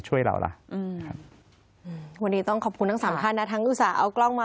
วันนี้ต้องขอบคุณทั้ง๓ท่านนะทั้งอุตส่าห์เอากล้องมา